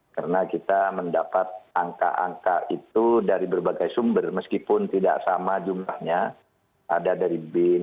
karena kita mendapat angka angka itu dari berbagai sumber meskipun tidak sama jumlahnya ada dari bin